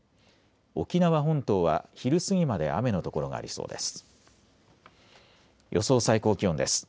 沖縄本島は昼過ぎまで雨の所がありそうです。